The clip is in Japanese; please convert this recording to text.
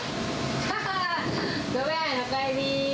お帰り。